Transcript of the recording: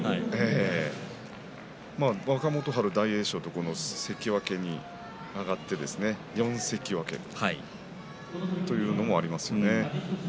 若元春、大栄翔と関脇に上がって４関脇というのもありますね。